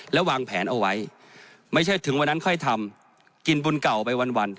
แล้ววางแผนเอาไว้ไม่ใช่ถึงวันนั้นค่อยทำกินบุญเก่าไปวัน